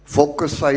fokus saya adalah